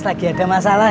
lagi ada masalah